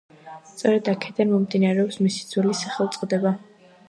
სწორედ აქედან მომდინარეობს მისი ძველი სახელწოდება.